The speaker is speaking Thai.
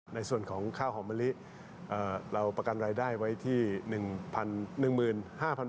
ในส่วนของข้าวหอมมะลิเราประกันรายได้ไว้ที่๑๑๕๐๐บาท